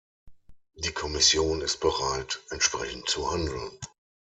Die Kommission ist bereit, entsprechend zu handeln.